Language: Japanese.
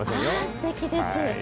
すてきです。